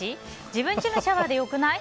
自分ちのシャワーで良くない？